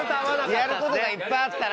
やることがいっぱいあったな